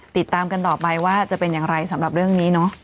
ติดตามกันต่อไปว่าจะเป็นอย่างไรสำหรับเรื่องนี้เนาะ